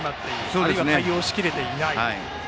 あるいは対応しきれていないと。